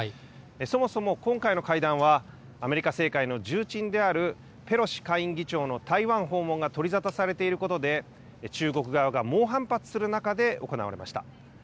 そもそも今回の会談は、アメリカ政界の重鎮であるペロシ下院議長の台湾訪問が取りざたされていることで、中国側が猛反発する中で行われました。